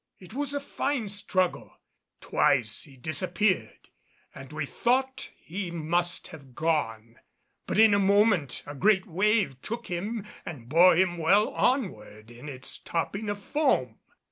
It was a fine struggle. Twice he disappeared, and we thought he must have gone; but in a moment a great wave took him and bore him well onward in its topping of foam.